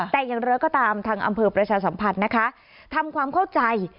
แต่ยังเลิกก็ตามทางอำเภอประชาสัมผัสนะคะทำความเข้าใจ